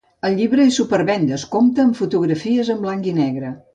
El llibre és supervendes, compta amb fotografies en blanc i negre.